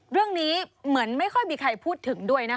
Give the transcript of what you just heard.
เรื่องนี้เหมือนไม่ค่อยมีใครพูดถึงด้วยนะคะ